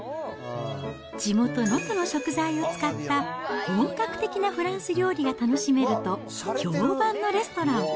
地元、能登の食材を使った本格的なフランス料理が楽しめると評判のレストラン。